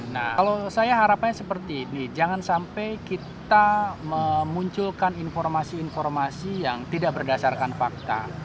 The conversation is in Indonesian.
nah kalau saya harapannya seperti ini jangan sampai kita memunculkan informasi informasi yang tidak berdasarkan fakta